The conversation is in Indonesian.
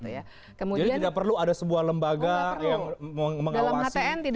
jadi tidak perlu ada sebuah lembaga yang mengawasi